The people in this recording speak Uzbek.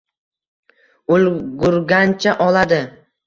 Ulgurgancha oladi.